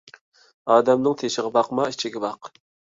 ئادەمنىڭ تېشىغا باقما، ئىچىگە باق.